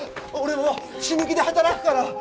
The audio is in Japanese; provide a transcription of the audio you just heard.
俺も死ぬ気で働くから！